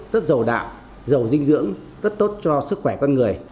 rất giàu đạo giàu dinh dưỡng rất tốt cho sức khỏe con người